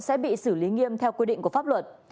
sẽ bị xử lý nghiêm theo quy định của pháp luật